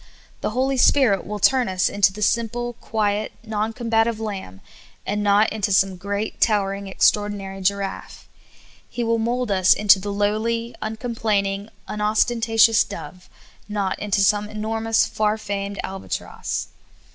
The Holy Spirit will turn us into the simple, quiet, non combative lamb, and not into some great, towering extraordinary giraffe. He will mold us into the lowly, uncomplaining, unostentatious dove, not into some enormous, far famed albatross.